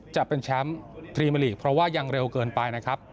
จะเป็นแชมป์พรีเมอร์ลีกเพราะว่ายังเร็วเกินไปนะครับ